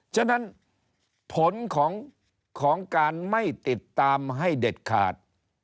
ฉะนั้นผลของการไม่ติดตามให้เด็ดขาด